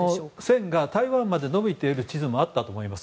線が台湾まで延びている地図もあったと思います